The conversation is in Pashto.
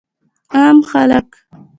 عام خلک